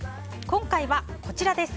今回はこちらです。